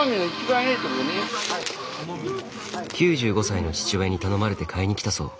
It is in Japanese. ９５歳の父親に頼まれて買いに来たそう。